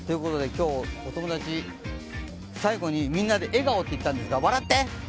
今日、お友達、最後にみんなで笑顔って言ったんですが、笑って！